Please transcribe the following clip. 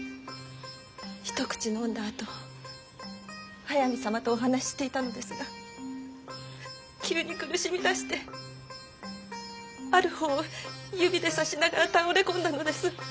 一口飲んだあと速水様とお話ししていたのですが急に苦しみだしてある方を指でさしながら倒れ込んだのです。